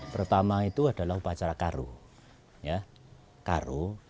pertama itu adalah upacara karu